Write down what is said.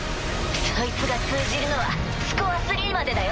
そいつが通じるのはスコア３までだよ。